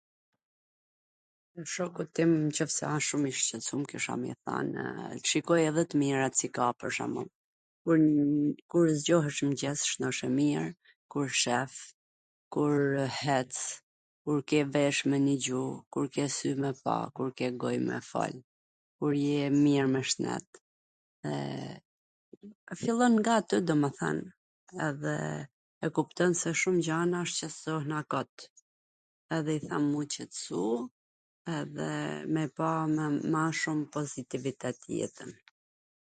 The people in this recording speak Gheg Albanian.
Shokut tim nwqoftse asht shum i shqetsum kisha me i thanw shikoji edhe tw mirat si ka pwr shwmbwll kur zgjohesh n mngjes shwndosh e mir, kur shef, kur hec, kur ke vesh me nii gjuh, kur ke sy me pa, kur ke goj me fol, kur je mir me shnet, e fillon nga ato domethwn edhe e kupton se pwr shum gjana shqetsohna kot, edhe i them m u qetsu, edhe me pa me ma shum pozitivitet jetwn.